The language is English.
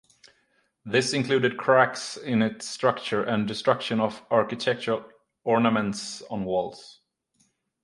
This included cracks in its structure and destruction of architectural ornaments on walls.